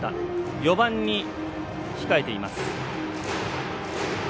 ４番に控えています。